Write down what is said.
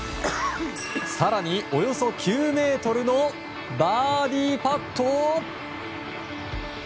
更に、およそ９ｍのバーディーパット。